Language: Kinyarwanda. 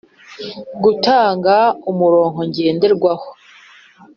- gutanga umurongo ngenderwaho.